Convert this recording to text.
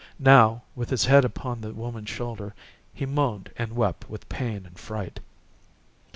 Now, with his head upon the woman's shoulder, he moaned and wept with pain and fright.